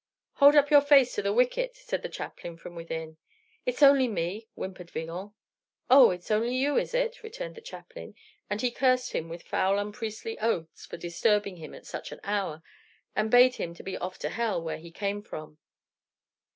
"Hold up your face to the wicket," said the chaplain from within. "It's only me," whimpered Villon. "Oh, it's only you, is it?" returned the chaplain; and he cursed him with foul unpriestly oaths for disturbing him at such an hour, and bade him be off to hell, where he came from.